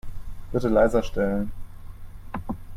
Bitte leiser stellen.